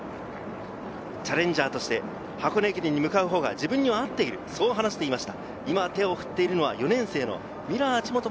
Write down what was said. チャレンジャーとして箱根駅伝に向かうほうが自分には合っていると話していました。